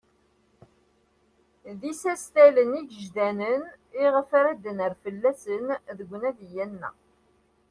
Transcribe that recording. D isastalen igejdanen iɣef ad d-nerr fell-asen deg unadi-a-nneɣ.